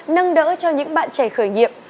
nâng đỡ cho những bạn trẻ khởi nghiệp